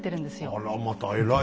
あらまたえらい。